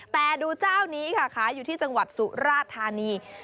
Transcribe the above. แต่ดูเจ้านี้ค่ะขายอยู่ที่จังหวัดสุราธานี